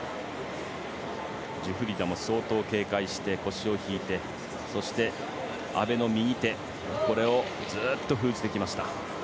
ジュフリダも相当警戒して、腰を引いてそして、阿部の右手をずっと封じてきました。